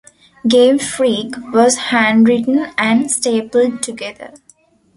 "Game Freak" was handwritten and stapled together.